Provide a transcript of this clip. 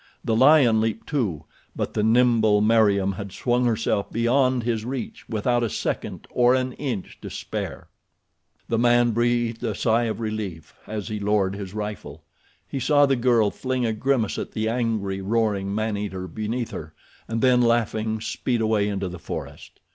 The lion leaped too; but the nimble Meriem had swung herself beyond his reach without a second or an inch to spare. The man breathed a sigh of relief as he lowered his rifle. He saw the girl fling a grimace at the angry, roaring, maneater beneath her, and then, laughing, speed away into the forest.